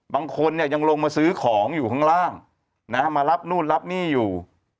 บางคนเนี่ยยังลงมาซื้อของอยู่ข้างล่างมารับนู่นรับนี่อยู่